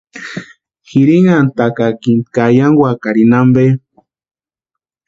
Jirinantʼakakini ka eyankwakarini ampe.